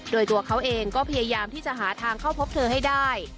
โดยตัวเขาเองก็พยายามที่จะหาทางเข้าพบเธอให้ได้